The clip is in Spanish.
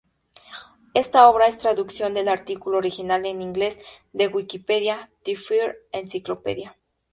Esta obra es traducción del artículo original en ingles de Wikipedia the Free Encyclopedia.